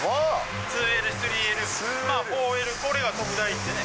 ２Ｌ、３Ｌ、４Ｌ、これは特大ってね。